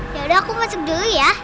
yaudah aku masuk dulu ya